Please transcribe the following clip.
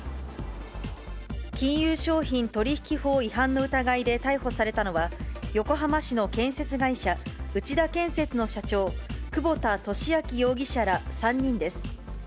金融商品取引法違反の疑いで逮捕されたのは、横浜市の建設会社、内田建設の社長、久保田俊明容疑者ら３人です。